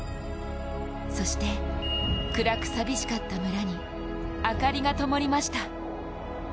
そして、暗く寂しかった村に明かりがともりました。